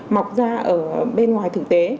mọc ra ở bên ngoài thực tế